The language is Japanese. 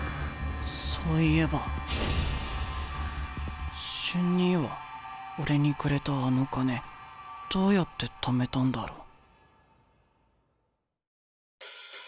そういえば瞬兄は俺にくれたあの金どうやってためたんだろう？